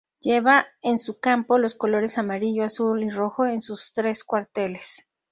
Lleva en su campo los colores amarillo, azul y rojo en sus tres cuarteles.